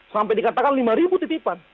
sampai dikatakan lima ribu titipan